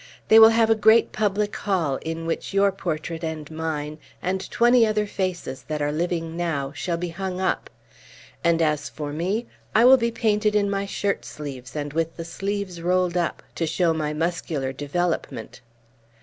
They will have a great public hall, in which your portrait, and mine, and twenty other faces that are living now, shall be hung up; and as for me, I will be painted in my shirtsleeves, and with the sleeves rolled up, to show my muscular development.